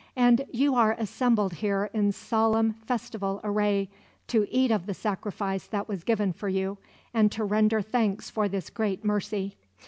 And you are assembled here in solemn festival array, to eat of the sacrifice that was given for you, and to render thanks for this great mercy.